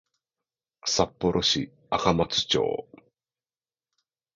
札幌市赤松町